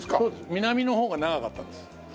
南の方が長かったんです。